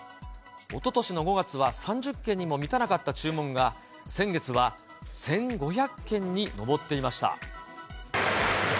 おととしの５月は３０件にも満たなかった注文が、先月は１５００件に上っていました。